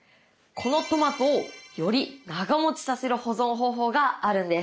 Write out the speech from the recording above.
このトマトをより長もちさせる保存方法があるんです。